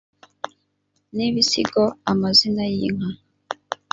n ibisigo amazina y inka